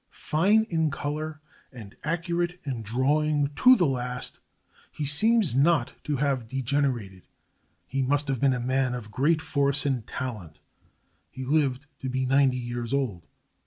Fine in color, and accurate in drawing to the last, he seems not to have degenerated. He must have been a man of great force and talent. He lived to be ninety years old.